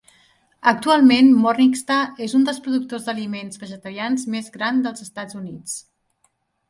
Actualment, Morningstar és un dels productors d'aliments vegetarians més gran dels Estats Units.